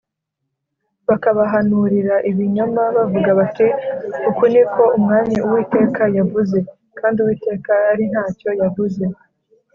bakabahanurira ibinyoma bavuga bati ‘Uku ni ko Umwami Uwiteka yavuze’, kandi Uwiteka ari nta cyo yavuze